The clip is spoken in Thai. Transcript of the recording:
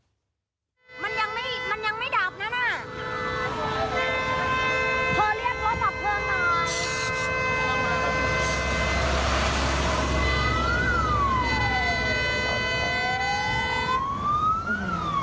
เธอเรียกรถหลับเครื่องล่ะ